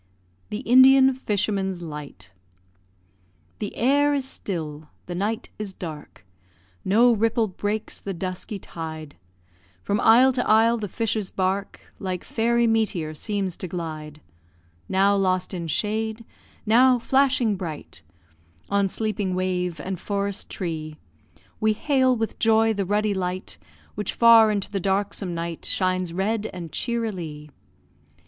THE INDIAN FISHERMAN'S LIGHT The air is still, the night is dark, No ripple breaks the dusky tide; From isle to isle the fisher's bark Like fairy meteor seems to glide; Now lost in shade now flashing bright On sleeping wave and forest tree; We hail with joy the ruddy light, Which far into the darksome night Shines red and cheerily!